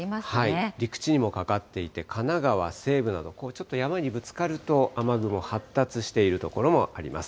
陸地にもかかっていて、神奈川西部など、ちょっと山にぶつかると雨雲発達している所もあります。